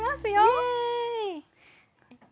イエーイ！